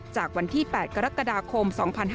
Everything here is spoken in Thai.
จากวันที่๘กรกฎาคม๒๕๕๙